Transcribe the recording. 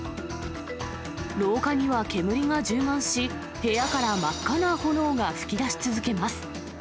廊下には煙が充満し、部屋から真っ赤な炎が噴き出し続けます。